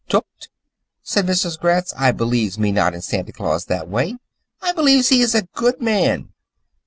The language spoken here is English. "Tooked?" said Mrs. Gratz. "I beliefs me not in Santy Claus that way. I beliefs he is a good old man.